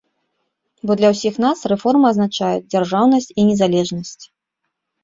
Бо для ўсіх нас рэформы азначаюць дзяржаўнасць і незалежнасць.